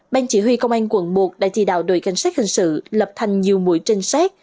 ban chỉ huy công an quận một đã chỉ đạo đội cảnh sát hình sự lập thành nhiều mũi trinh sát